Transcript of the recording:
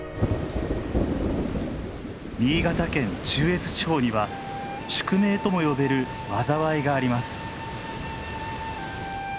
新潟県中越地方には宿命とも呼べる災いがあります。